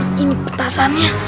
ustaz ini kertasannya